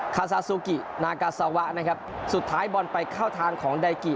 คาซาซูกินากาซาวะนะครับสุดท้ายบอลไปเข้าทางของไดกิ